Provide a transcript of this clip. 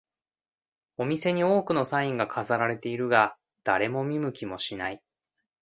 お店に多くのサインが飾られているが、誰も見向きもしない